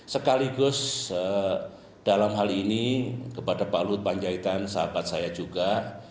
sekaligus dalam hal ini kepada pak luhut panjaitan sahabat saya juga